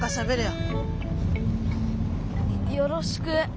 よろしく。